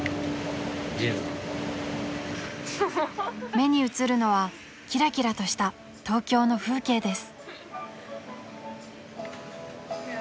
［目に映るのはキラキラとした東京の風景です］